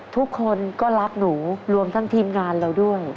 ทุกคนก็รักหนูรวมทั้งทีมงานเราด้วย